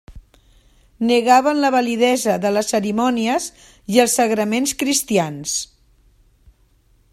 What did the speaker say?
Negaven la validesa de les cerimònies i els sagraments cristians.